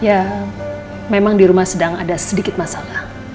ya memang di rumah sedang ada sedikit masalah